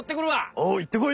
おう行ってこい！